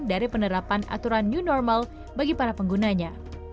dari penerapan aturan new normal bagi para penggunanya